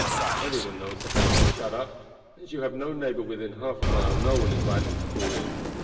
Every one knows the house is shut up, and as you have no neighbor within half a mile no one is likely to call in.